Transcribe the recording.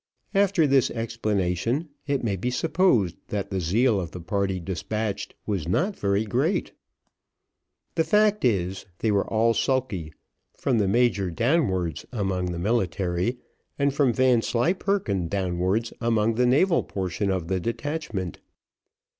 After this explanation, it may be supposed that the zeal of the party despatched was not very great. The fact is, they were all sulky, from the major downwards, among the military, and from Vanslyperken downwards, among the naval portion of the detachment.